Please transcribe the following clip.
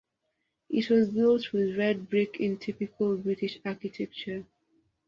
It was built with red brick in typical British Architecture.